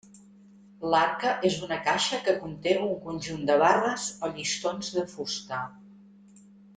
L'arca és una caixa que conté un conjunt de barres o llistons de fusta.